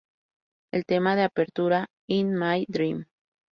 El tema de apertura "In My Dream".